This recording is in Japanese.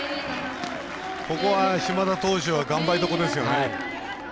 ここは島田投手は頑張りどころですね。